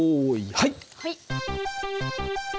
はい。